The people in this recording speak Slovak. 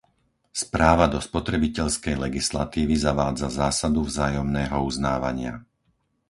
Správa do spotrebiteľskej legislatívy zavádza zásadu vzájomného uznávania.